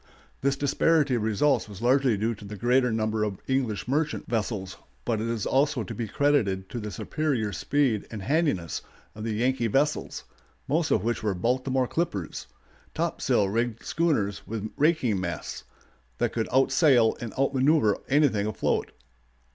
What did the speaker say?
This disparity of results was largely due to the greater number of English merchant vessels, but is also to be credited to the superior speed and handiness of the Yankee vessels, most of which were "Baltimore clippers," topsail rigged schooners with raking masts, that could outsail and out manœuver anything afloat.